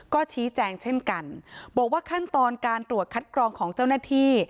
ก็ชี้แจงเช่นกันบอกว่าขั้นตอนการตรวจคัดกรองของเจ้าหน้าที่